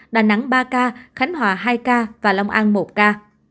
đà nẵng ba ca khánh hòa hai ca lòng an một ca